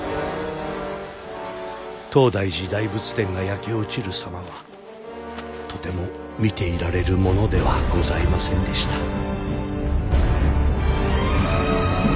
「東大寺大仏殿が焼け落ちる様はとても見ていられるものではございませんでした」。